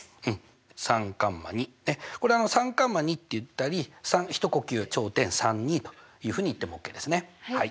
これ３カンマ２って言ったり一呼吸頂点３２というふうに言ってもオッケーですね。